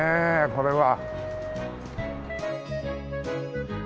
これは。